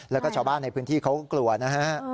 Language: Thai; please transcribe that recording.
แล้วก็ชาวบ้านในพื้นที่เขาก็กลัวนะฮะ